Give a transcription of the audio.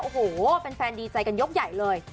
โอ้โหแฟนดีใจกันยกใหญ่เลย